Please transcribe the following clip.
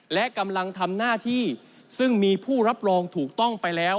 และกำลังทำหน้าที่ซึ่งมีผู้รับรองถูกต้องไปแล้ว